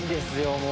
もう。